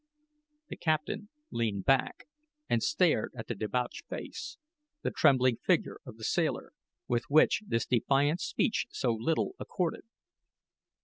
The captain leaned back and stared at the debauched face, the trembling figure of the sailor, with which this defiant speech so little accorded.